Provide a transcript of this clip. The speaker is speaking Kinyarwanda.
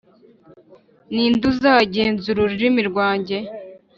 Ni nde uzagenzura ururimi rwanjye,